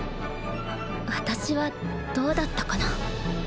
私はどうだったかな？